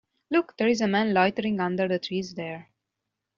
Look, there is a man loitering under the trees there.